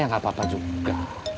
ya nggak apa apa juga